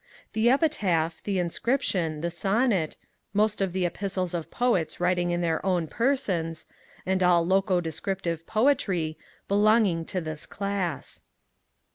The Epitaph, the Inscription, the Sonnet, most of the epistles of poets writing in their own persons, and all loco descriptive poetry, belonging to this class.